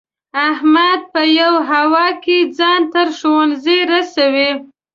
احمد په یوه هوا کې ځان تر ښوونځي رسوي.